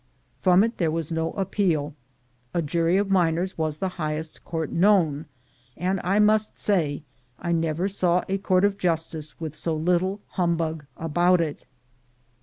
From it there was no appeal ; a jury of miners was the highest court known, and I must say I never saw a court of justice with so little hum bug about it.